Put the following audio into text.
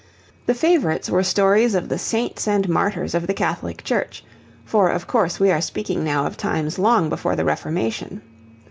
The favourites were stories of the saints and martyrs of the Catholic Church, for of course we are speaking now of times long before the Reformation.